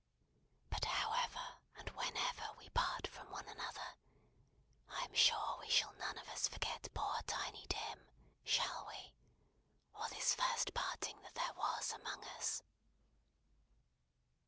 But however and whenever we part from one another, I am sure we shall none of us forget poor Tiny Tim shall we or this first parting that there was among us?"